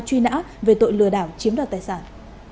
truy nã về tội lừa đảo chiếm đoạt tài sản